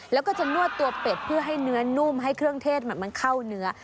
แล้วก็จะนวดตัวเป็ดเพื่อให้เนื้อนุ่มให้เครื่องเทศมันเข้าเนื้อ